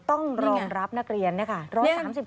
ต้องรองรับนักเรียนนะคะ